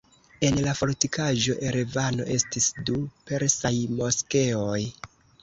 En la fortikaĵo Erevano estis du persaj moskeoj.